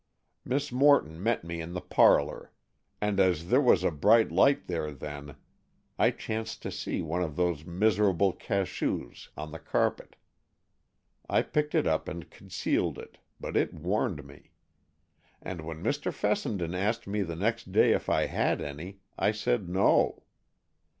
Miss Morton met me in the parlor, and as there was a bright light there then, I chanced to see one of those miserable cachous on the carpet. I picked it up and concealed it, but it warned me; and when Mr. Fessenden asked me the next day if I had any, I said no.